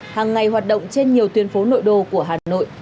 hàng ngày hoạt động trên nhiều tuyến phố nội đô của hà nội